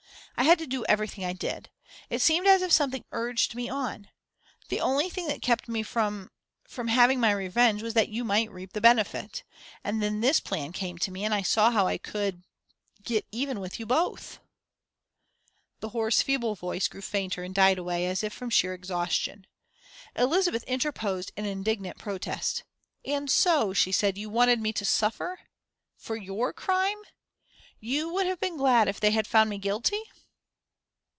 I had to do everything I did. It seemed as if something urged me on. The only thing that kept me from from having my revenge was that you might reap the benefit. And then this plan came to me, and I saw how I could get even with you both." The hoarse, feeble voice grew fainter and died away, as if from sheer exhaustion. Elizabeth interposed an indignant protest. "And so," she said, "you wanted me to suffer for your crime? You would have been glad if they had found me guilty?"